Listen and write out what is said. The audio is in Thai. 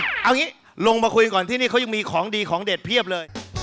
เอางี้ลงมาคุยก่อนที่นี่เขายังมีของดีของเด็ดเพียบเลย